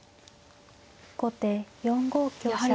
後手４五香車。